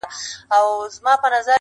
یوهډوکی یې د پښې وو که د ملا وو!.